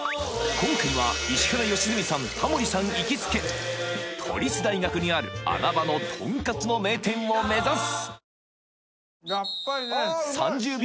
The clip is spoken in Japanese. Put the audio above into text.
今回は石原良純さんタモリさん行きつけ都立大学にある穴場のとんかつの名店を目指す！